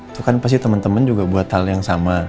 itu kan pasti teman teman juga buat hal yang sama